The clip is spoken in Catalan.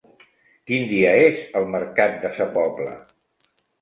Quin dia és el mercat de Sa Pobla?